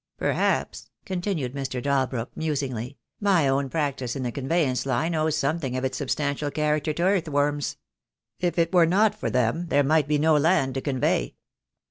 Perhaps," continued Mr. Dalbrook, musingly, "my own practice in the conveyanc ing line owes something of its substantial character to earth worms. If it were not for them there might be no land to convey."